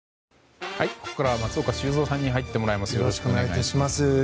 ここからは松岡修造さんに入ってもらいます。